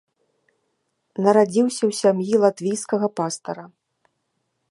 Нарадзіўся ў сям'і латвійскага пастара.